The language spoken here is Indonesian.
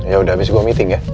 yaudah habis gua meeting ya